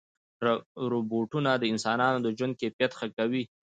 روبوټونه د انسانانو د ژوند کیفیت ښه کوي.